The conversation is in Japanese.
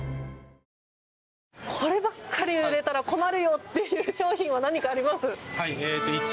こればっかり売れたら困るよっていう商品は何かありますか？